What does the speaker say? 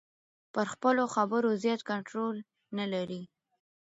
پر خپلو خبرو زیات کنټرول نلري.